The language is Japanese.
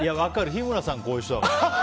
日村さん、こういう人だもん。